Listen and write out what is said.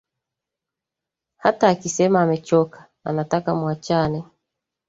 Hata akisema amechoka, anataka muachane